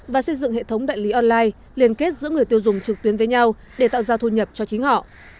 và xây dựng hệ thống đại lý online liên kết giữa người tiêu dùng trực tuyến với nhau để tạo ra thu nhập cho chính họ